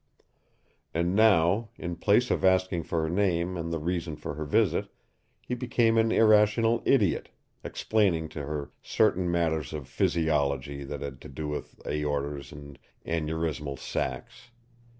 And now, in place of asking for her name and the reason for her visit, he became an irrational idiot, explaining to her certain matters of physiology that had to do with aortas and aneurismal sacs.